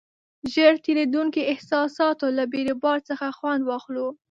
ژر تېرېدونکو احساساتو له بیروبار څخه خوند واخلو.